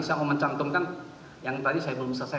saya mau mencantumkan yang tadi saya belum selesai